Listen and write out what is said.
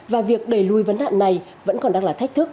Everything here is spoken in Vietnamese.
và việc đẩy lui vấn đạn này vẫn còn đang là thách thức